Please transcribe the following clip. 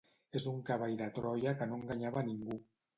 Es un cavall de Troia que no enganyava a ningú